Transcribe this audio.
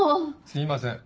すいません。